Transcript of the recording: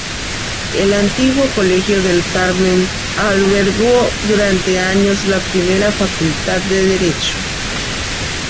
El antiguo colegio del Carmen albergó durante años la primera Facultad de Derecho.